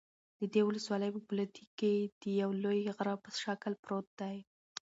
د دې ولسوالۍ په فولادي کې د یوه لوی غره په شکل پروت دى